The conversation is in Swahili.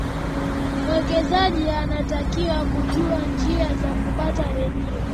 mwekezaji anatakiwa kujua njia za kupata redio